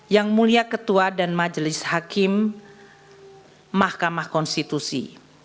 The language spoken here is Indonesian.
yang mulia ketua dan majelis hakim mahkamah konstitusi